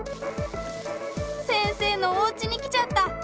先生のおうちに来ちゃった！